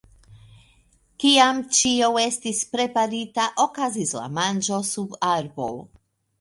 Kiam ĉio estis preparita, okazis la manĝo sub arbo.